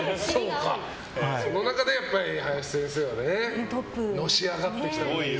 その中で林先生はねのし上がってきたから。